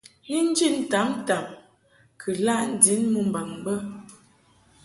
Ni njid ntamtam kɨ laʼ ndin mumbaŋ bə.